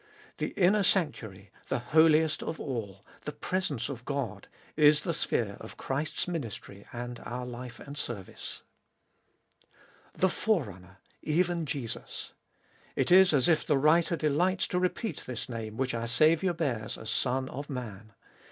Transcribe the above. The inner sanctuary, the Holiest of All, the presence of God, is the sphere of Christ's ministry and our life and service. The Forerunner, even Jesus ! It is as if the writer delights to repeat this name which our Saviour bears as Son of Man.